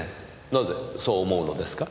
なぜそう思うのですか？